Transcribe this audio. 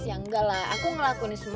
ya enggak lah aku ngelakuin semua